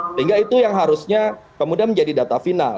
sehingga itu yang harusnya kemudian menjadi data final